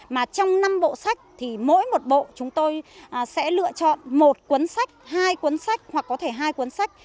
mà trong năm bộ sách thì mỗi một bộ chúng tôi sẽ lựa chọn một cuốn sách hai cuốn sách hoặc có thể hai cuốn sách